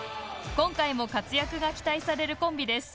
今回も活躍が期待されるコンビです。